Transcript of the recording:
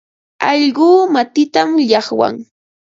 Allquu matintam llaqwan.